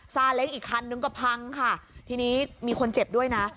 ซาเล้งอีกคันนึงก็พังค่ะทีนี้มีคนเจ็บด้วยนะ